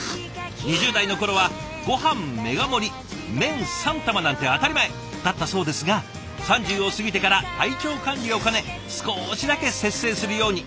２０代の頃はごはんメガ盛り麺３玉なんて当たり前だったそうですが３０を過ぎてから体調管理を兼ね少しだけ節制するように。